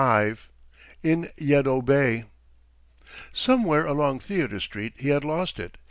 IN YEDDO BAY Somewhere along Theater Street he had lost it.